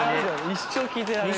一生聴いてられる。